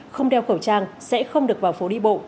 không đeo khẩu trang sẽ không được vào phố đi bộ